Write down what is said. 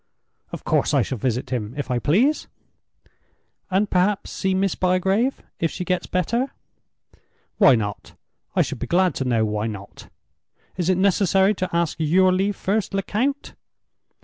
"Of course I shall visit him—if I please." "And perhaps see Miss Bygrave, if she gets better?" "Why not? I should be glad to know why not? Is it necessary to ask your leave first, Lecount?"